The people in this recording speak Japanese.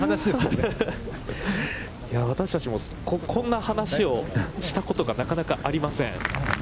私たちもこんな話をしたことがなかなかありません。